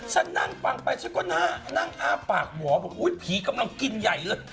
นั่งฟังไปฉันก็นั่งอ้าปากหวอบอกอุ๊ยผีกำลังกินใหญ่เลย